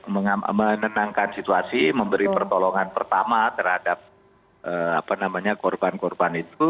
menenangkan situasi memberi pertolongan pertama terhadap korban korban itu